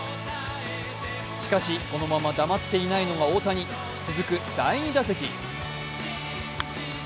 しかし、このままだまっていないのが大谷、続く第２打席。